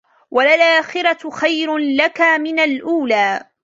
وَلَلْآخِرَةُ خَيْرٌ لَكَ مِنَ الْأُولَى